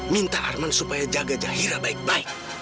minta arman supaya jaga jahira baik baik